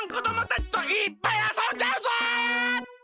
たちといっぱいあそんじゃうぞ！